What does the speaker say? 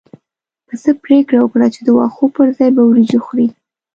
پسه پرېکړه وکړه چې د واښو پر ځای به وريجې خوري.